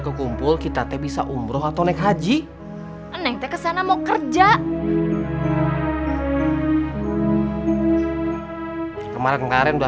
sampai jumpa di video selanjutnya